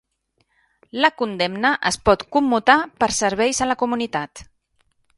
La condemna es pot commutar per serveis a la comunitat